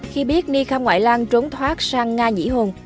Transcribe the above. khi biết ni kham ngoại lan trốn thoát sang nga nhĩ hồn